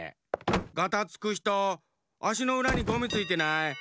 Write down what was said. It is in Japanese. ガタつくひとあしのうらにゴミついてない？